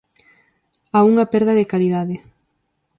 A unha perda de calidade.